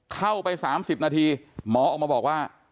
เข้าไป๓๐นาทีหมอออกมาบอกว่า